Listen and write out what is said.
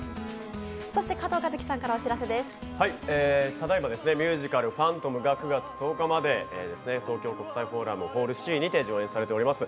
ただいまミュージカル「ファントム」が９月１０日まで東京国際フォーラムホールＣにて上演されております。